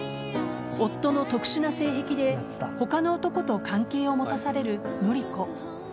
夫の特殊な性癖で他の男と関係を持たされる朔子。